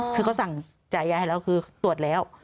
คือเขาสั่งจ่ายยาให้แล้วคือตรวจแล้ว